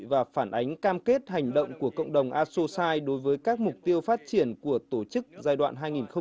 và phản ánh cam kết hành động của cộng đồng asosai đối với các mục tiêu phát triển của tổ chức giai đoạn hai nghìn hai mươi một hai nghìn hai mươi năm